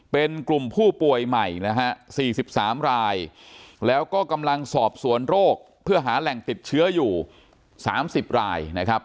เป็นกลุ่มผู้ป่วยใหม่นะฮะ๔๓รายแล้วก็กำลังสอบสวนโรคเพื่อหาแหล่งติดเชื้ออยู่๓๐รายนะครับ